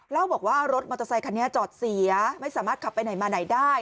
เล่าบอกว่ารถมอเตอร์ไซคันนี้จอดเสียไม่สามารถขับไปไหนมาไหนได้